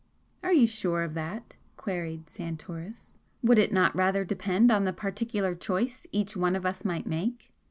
"Are you sure of that?" queried Santoris. "Would it not rather depend on the particular choice each one of us might make?